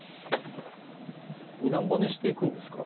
二段バネしていくんですか？